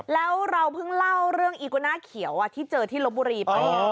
แล้วเราเพิ่งเล่าเรื่องอีโกน่าเขียวที่เจอที่ลบบุรีไป